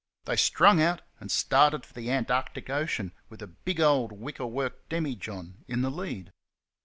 They strung out and started for the Antarctic Ocean, with a big old wicker worked demijohn in the lead.